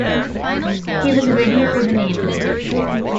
He was ready for the Mainland.